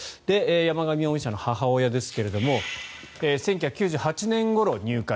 山上容疑者の母親ですが１９９８年ごろ、入会。